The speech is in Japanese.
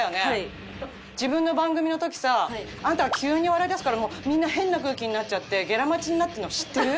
自分の番組の時さあんたが急に笑いだすからみんな変な空気になっちゃってゲラ待ちになってるの知ってる？